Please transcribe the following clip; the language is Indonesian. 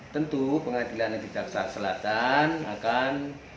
tentu pengadilan negeri jakarta selatan akan